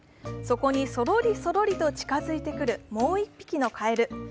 そこに、そろりそろりと近づいてくるもう１匹のカエル。